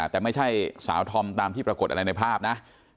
แต่ไม่ใช่สาวธอมตามที่ปรากฏอะไรในภาพนะ